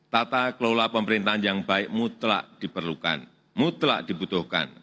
tata kelola pemerintahan yang baik mutlak diperlukan mutlak dibutuhkan